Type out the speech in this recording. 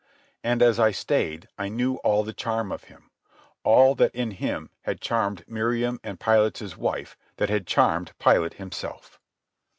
And as I stayed I knew all the charm of him—all that in him had charmed Miriam and Pilate's wife, that had charmed Pilate himself.